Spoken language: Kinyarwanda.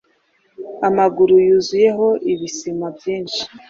amaguru yuzuyeho ibisima byinshi